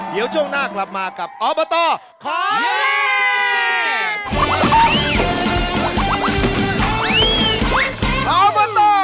เดี๋ยวช่วงหน้ากลับมากับอบตขอแดง